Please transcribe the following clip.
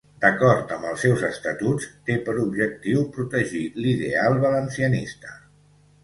D'acord amb els seus estatuts, té per objectiu protegir l'ideal valencianista.